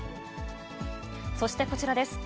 そして、こちらです。